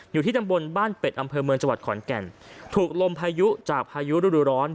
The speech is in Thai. อยู่ที่ตำบลบ้านเป็ดอำเภอเมืองจังหวัดขอนแก่นถูกลมพายุจากพายุฤดูร้อน